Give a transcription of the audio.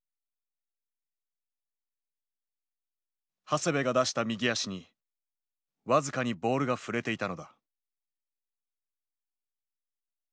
長谷部が出した右足に僅かにボールが触れていたのだ。